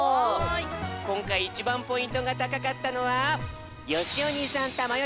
こんかいいちばんポイントがたかかったのはよしお兄さんたまよ